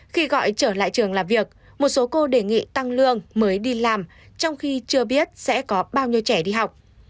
khi gọi trở lại trường làm việc một số cô đề nghị tăng lương mới đi làm trong khi chưa biết sẽ có bao nhiêu trẻ đi học